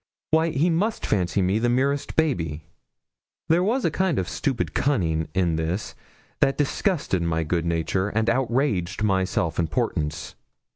Why, he must fancy me the merest baby. There was a kind of stupid cunning in this that disgusted my good nature and outraged my self importance.